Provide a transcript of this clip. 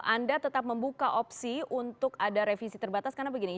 anda tetap membuka opsi untuk ada revisi terbatas karena begini